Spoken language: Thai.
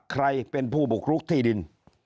ใครเป็นผู้บุกรุกที่ดิน